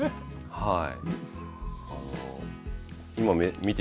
はい。